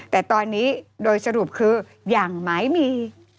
แต่ตอนนี้โดยสรุปคืออย่างไม่มี